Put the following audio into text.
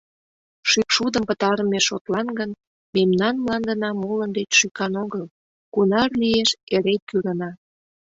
Шӱкшудым пытарыме шотлан гын, мемнан мландына молын деч шӱкан огыл, кунар лиеш, эре кӱрына.